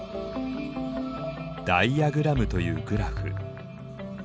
ダイアグラムというグラフ。